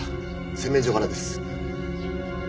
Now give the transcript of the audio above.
洗面所からです。